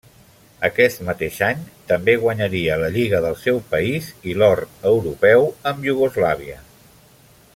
Aquest mateix any, també guanyaria la lliga del seu país i l'or europeu amb Iugoslàvia.